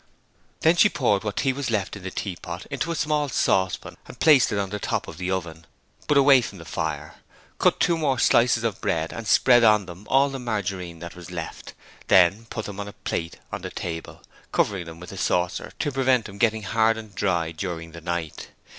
Then she poured what tea was left in the tea pot into a small saucepan and placed it on the top of the oven, but away from the fire, cut two more slices of bread and spread on them all the margarine that was left; then put them on a plate on the table, covering them with a saucer to prevent them getting hard and dry during the night.